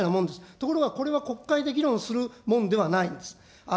ところがこれは、国会で議論するもんではないんです。